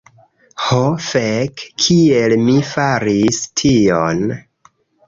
"Ho fek' kiel mi faris tion"